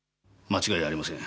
間違いありません。